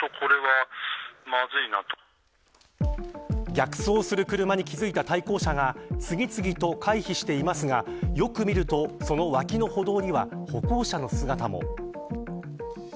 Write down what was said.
逆走する車に気付いた対向車が次々と回避していますがよく見るとそのわきの歩道には歩行者の姿も。